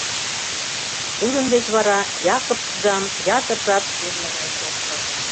Тудын деч вара Якып изам ятыр жап черле гай кошто.